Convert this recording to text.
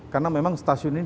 karena memang stasiun ini